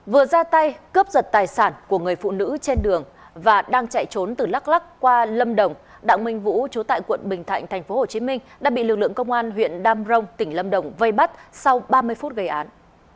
vừa ra tay cướp giật tài sản của người phụ nữ trên đường và đang chạy trốn từ đắk lắc qua lâm đồng đặng minh vũ chú tại quận bình thạnh tp hcm đã bị lực lượng công an huyện đam rông tỉnh lâm đồng vây bắt sau ba mươi phút gây án